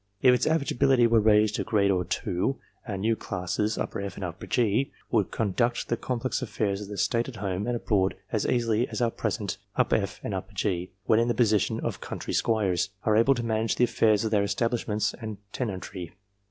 If its average ability were raised a grade or two, our new classes F and G would conduct the complex affairs of the state at home and abroad as easily as our present F and G, when in the position of country squires, are able to manage the affairs of their establishments and tenantry.